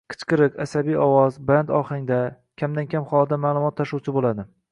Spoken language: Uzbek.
Qichqiriq, asabiy ovoz, baland ohanglar kamdan-kam hollarda ma’lumot tashuvchi bo‘ladi